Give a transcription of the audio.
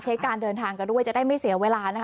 การเดินทางกันด้วยจะได้ไม่เสียเวลานะคะ